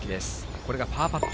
これがパーパット。